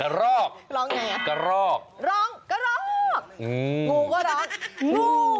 กระรอกกระรอกร้องกระรอกงูก็ร้องงู